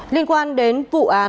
vụ án hủy hóa